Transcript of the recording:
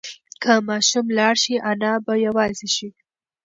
که ماشوم لاړ شي انا به یوازې شي.